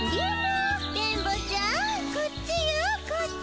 電ボちゃんこっちよこっち。